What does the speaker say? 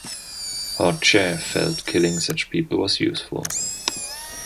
Hoche felt killing such people was useful.